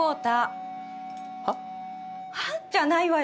「は？」じゃないわよ。